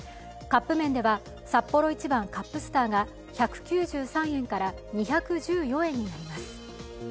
カップ麺では、サッポロ一番カップスターが１９３円から２１４円になります。